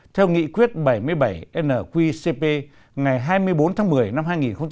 theo nghị quyết bảy mươi bảy nqcp ngày hai mươi bốn tháng một mươi năm hai nghìn một mươi bảy